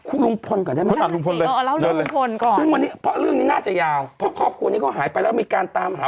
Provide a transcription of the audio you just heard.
กูนิดนึงนี่แหละทาดแท้